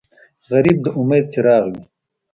غریب د امید څراغ وي